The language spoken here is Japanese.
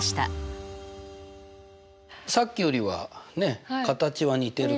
さっきよりは形は似てるけど。